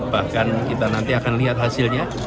bahkan kita nanti akan lihat hasilnya